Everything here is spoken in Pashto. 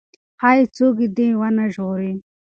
ښايي څوک دې ونه ژغوري.